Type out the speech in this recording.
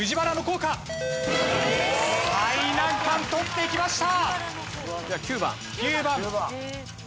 最難関取っていきました！